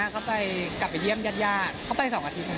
เขากลับไปเยี่ยมยาเขาไป๒อาทิตย์ครับ